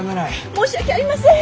申し訳ありません！